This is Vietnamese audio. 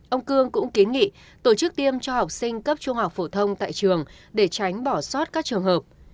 ông cương cũng kiến nghị tổ chức tiêm cho học sinh cấp trung học phổ thông tại trường để tránh bỏ sót các trường hợp